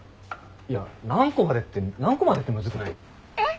いや何個までって何個までってむずくない？えっ！？